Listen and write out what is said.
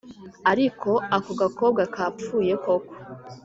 Ariko ako gakobwa kapfuye koko